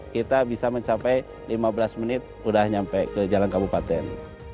kita bisa mencapai lima belas menit udah sampai ke jalan kabupaten